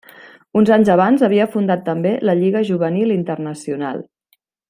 Uns anys abans havia fundat també la Lliga Juvenil Internacional.